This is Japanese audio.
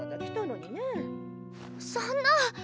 そんな！